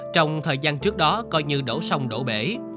trong thời gian trước đó coi như đổ sông đổ bể